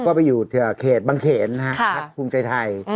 ก็ไปอยู่เขตบางเขนพักภูมิใจไทย